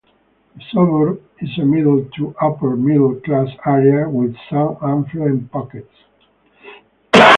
The suburb is a middle- to upper-middle class area with some affluent pockets.